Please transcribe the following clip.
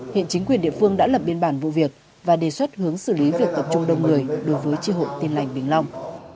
hiện chính quyền địa phương đã lập biên bản vụ việc và đề xuất hướng xử lý việc tập trung đông người đối với tri hội tin lành bình long